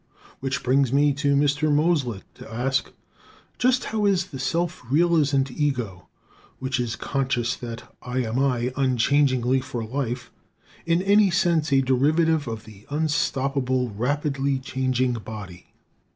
Which brings me to Mr. Mosleh, to ask: Just how is the self realizant ego, which is conscious that "I am I" unchangingly for life, in any sense a derivative of the unstable, rapidly changing body?